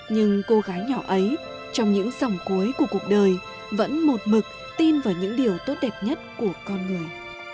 nhưng cô gái nhỏ ấy trong những dòng cuối của cuộc đời vẫn một mực tin vào những điều tốt đẹp nhất của con người